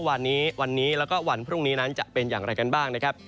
วันนี้วันนี้แล้วก็วันพรุ่งนี้นั้นจะเป็นอย่างไรกันบ้างนะครับ